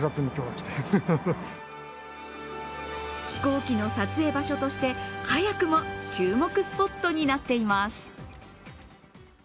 飛行機の撮影場所として、早くも注目スポットになっています。